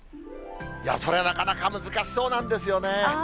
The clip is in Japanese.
それはなかなか難しそうなんですよね。